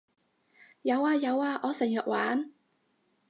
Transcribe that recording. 有呀有呀我成日玩